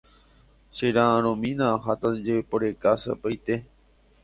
Chera'ãrõmína aháta ajeporeka sapy'aite